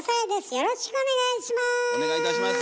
よろしくお願いします。